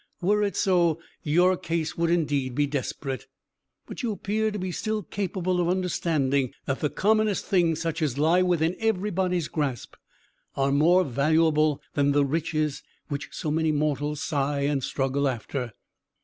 Were it so, your case would indeed be desperate. But you appear to be still capable of understanding that the commonest things, such as lie within everybody's grasp, are more valuable than the riches which so many mortals sigh and struggle after.